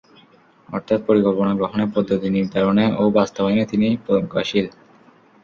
অর্থাৎ পরিকল্পনা গ্রহণে, পদ্ধতি নির্ধারণে ও বাস্তবায়নে তিনি প্রজ্ঞাশীল।